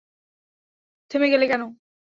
থেমে গেলে কেন?